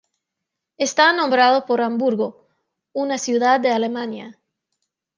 Está nombrado por Hamburgo, una ciudad de Alemania.